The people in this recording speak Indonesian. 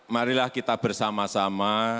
marilah kita bersama sama